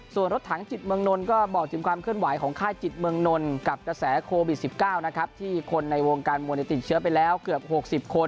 ส่วนรถถังจิตเมืองนนท์ก็บอกถึงความเคลื่อนไหวของค่ายจิตเมืองนลกับกระแสโควิด๑๙นะครับที่คนในวงการมวยติดเชื้อไปแล้วเกือบ๖๐คน